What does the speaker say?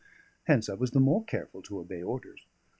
Hence I was the more careful to obey orders.